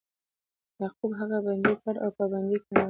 یعقوب هغه بندي کړ او په بند کې مړ شو.